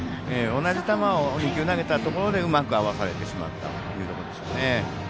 同じ球を２球投げたところでうまく合わされてしまったというところでしょうね。